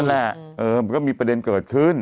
แหละมันก็มีประเด็นเกิดขึ้น